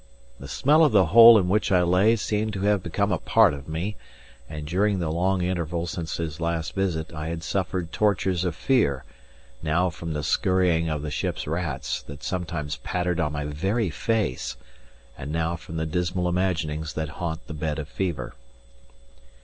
The smell of the hole in which I lay seemed to have become a part of me; and during the long interval since his last visit I had suffered tortures of fear, now from the scurrying of the ship's rats, that sometimes pattered on my very face, and now from the dismal imaginings that haunt the bed of fever.